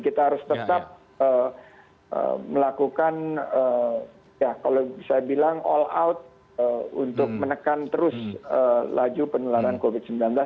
kita harus tetap melakukan ya kalau saya bilang all out untuk menekan terus laju penularan covid sembilan belas